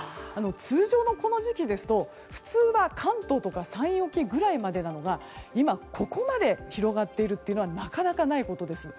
通常の、この時期ですと、普通は関東とか山陰沖ぐらいまでなのが今、ここまで広がっているというのはなかなかないことです。